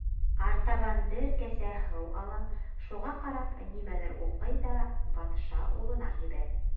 Артабан бер кәсә һыу ала, шуға ҡарап, нимәлер уҡый ҙа батша улына һибә.